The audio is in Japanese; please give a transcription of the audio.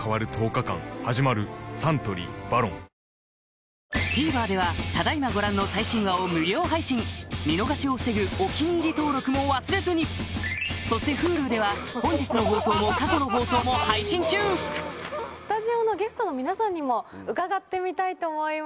サントリー「ＶＡＲＯＮ」ＴＶｅｒではただ今ご覧の最新話を無料配信見逃しを防ぐ「お気に入り」登録も忘れずにそしてＨｕｌｕでは本日の放送も過去の放送も配信中スタジオのゲストの皆さんにも伺ってみたいと思います。